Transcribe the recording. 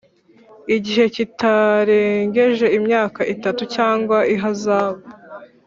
IgiheKitarengeje imyaka itatu cyangwa ihazabu